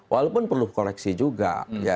walaupun perlu koreksi juga